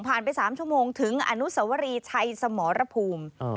ไป๓ชั่วโมงถึงอนุสวรีชัยสมรภูมิ